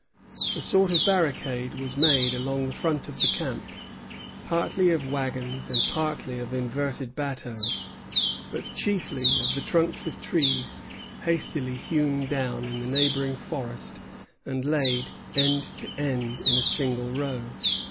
A sort of barricade was made along the front of the camp, partly of wagons, and partly of inverted bateaux, but chiefly of the trunks of trees hastily hewn down in the neighboring forest and laid end to end in a single row.